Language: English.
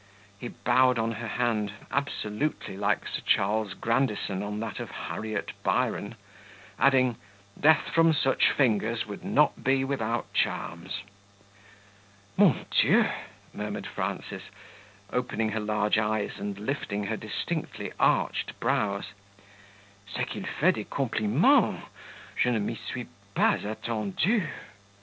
He bowed on her hand, absolutely like Sir Charles Grandison on that of Harriet Byron; adding "Death from such fingers would not be without charms." "Mon Dieu!" murmured Frances, opening her large eyes and lifting her distinctly arched brows; "c'est qu'il fait des compliments! je ne m'y suis pas attendu."